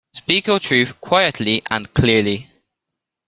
Speak your truth quietly and clearly